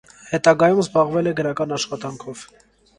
Հետագայում զբաղվել է գրական աշխատանքով։